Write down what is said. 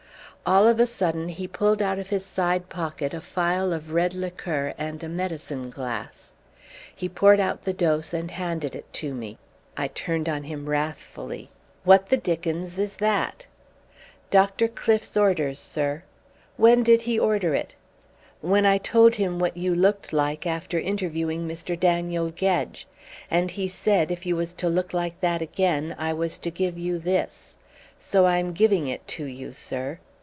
All of a sudden he pulled out of his side pocket a phial of red liqueur in a medicine glass. He poured out the dose and handed it to me. I turned on him wrathfully. "What the dickens is that?" "Dr. Cliffe's orders, sir." "When did he order it?" "When I told him what you looked like after interviewing Mister Daniel Gedge. And he said, if you was to look like that again I was to give you this. So I'm giving it to you, sir."